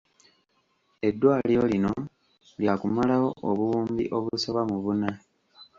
Eddwaliro lino lyakumalawo obuwumbi obusoba mu buna.